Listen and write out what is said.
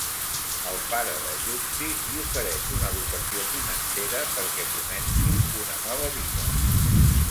El pare de Justy li ofereix una dotació financera perquè comenci una nova vida.